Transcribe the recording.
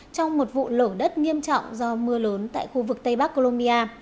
trong một vụ lở đất nghiêm trọng do mưa lớn tại khu vực tây bắc colombia